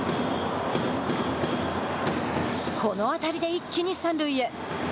この当たりで一気に三塁へ。